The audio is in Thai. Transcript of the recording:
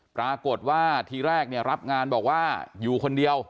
ปรากฏว่าทีแรกเนี่ยรับงานบอกว่าอยู่คนเดียว